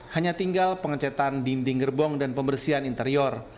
hanya tinggal pengecetan dinding gerbong dan pembersihan interior